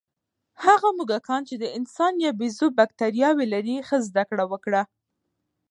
هغه موږکان چې د انسان یا بیزو بکتریاوې لري، ښه زده کړه وکړه.